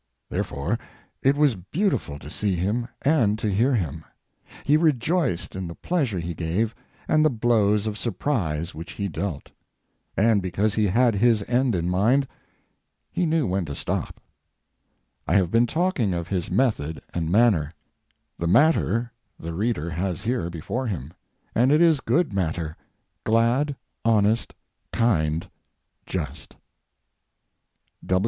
Therefore, it was beautiful to see him and to hear him; he rejoiced in the pleasure he gave and the blows of surprise which he dealt; and because he had his end in mind, he knew when to stop. I have been talking of his method and manner; the matter the reader has here before him; and it is good matter, glad, honest, kind, just.